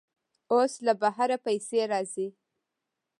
اوس له بهر پیسې راځي.